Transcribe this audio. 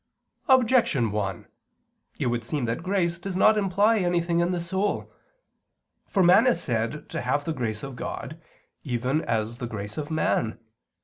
Objection 1: It would seem that grace does not imply anything in the soul. For man is said to have the grace of God even as the grace of man.